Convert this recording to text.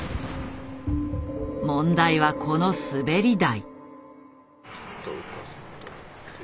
問題はこの滑り台。